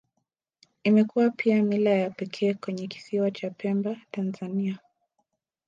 Imekuwa pia mila ya pekee kwenye Kisiwa cha Pemba, Tanzania.